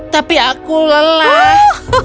tapi aku lelah